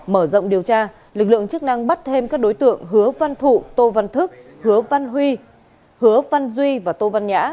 mở rộng điều tra lực lượng chức năng bắt thêm các đối tượng hứa văn thụ tô văn thức hứa văn huy hứa văn duy và tô văn nhã